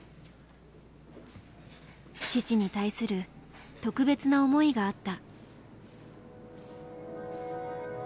父に対する特別な思いがあった。